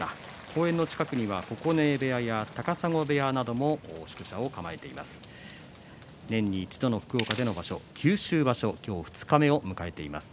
公園の近くの九重部屋や高砂部屋など宿舎を構えています。